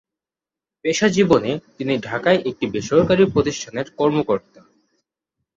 পেশা জীবনে তিনি ঢাকায় একটি বেসরকারি প্রতিষ্ঠানের কর্মকর্তা।